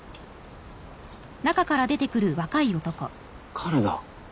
彼だ。